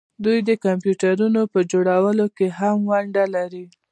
دوی د کمپیوټرونو په جوړولو کې هم ونډه لري.